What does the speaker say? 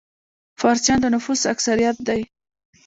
فارسیان د نفوس اکثریت دي.